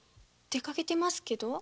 出かけてますけど？